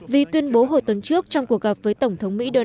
vì tuyên bố hồi tuần trước trong cuộc gặp với tổng thống iran